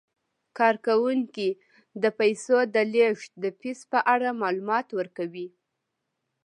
کارکوونکي د پیسو د لیږد د فیس په اړه معلومات ورکوي.